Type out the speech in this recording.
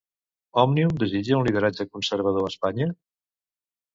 Òmnium desitja un lideratge conservador a Espanya?